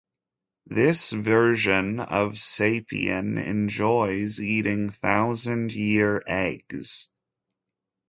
This version of Sapien enjoys eating thousand year eggs.